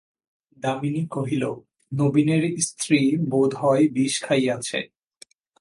দামিনী কহিল, নবীনের স্ত্রী বোধ হয় বিষ খাইয়াছে।